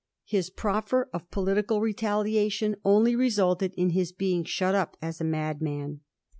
His proffer of political retaliation only resulted in his being shut up as a madman.